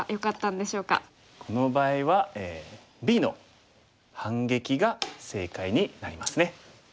この場合はＢの反撃が正解になりますね。